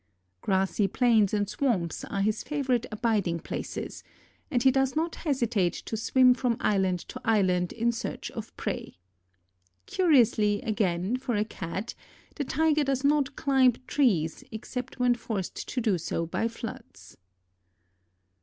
Grassy plains and swamps are his favorite abiding places, and he does not hesitate to swim from island to island in search of prey. Curiously, again, for a cat, the Tiger does not climb trees except when forced to do so by floods.